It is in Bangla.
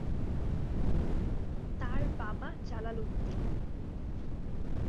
তার বাবা জালালউদ্দিন।